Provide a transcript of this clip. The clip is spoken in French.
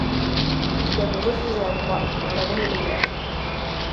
Il avait refusé la croix, on l'avait nommé maire.